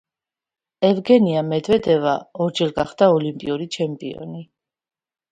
ევგენია მედვედევა ორჯერ გახდა ოლიმპიური ჩემპიონი.